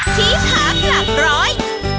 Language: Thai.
ที่พักหลักร้อย